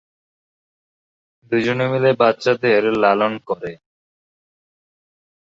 দুজনে মিলে বাচ্চাদের লালন করে।